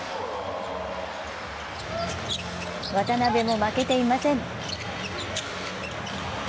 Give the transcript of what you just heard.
渡邊も負けていません。